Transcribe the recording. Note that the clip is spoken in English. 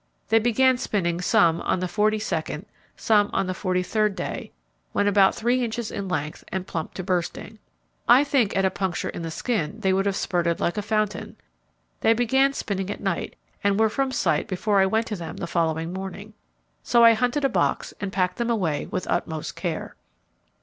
They began spinning some on the forty second, some on the forty third day, when about three inches in length and plump to bursting. I think at a puncture in the skin they would have spurted like a fountain. They began spinning at night and were from sight before I went to them the following morning. So I hunted a box and packed them away with utmost care.